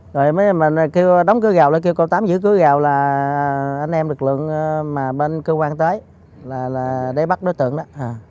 rồi mới mình kêu đóng cưới rào lại kêu cầu tám giữ cưới rào là anh em lực lượng mà bên cơ quan tới là để bắt đối tượng đó